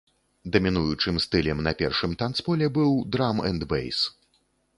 Дамінуючым стылем на першым танцполе быў драм'энд'бэйс.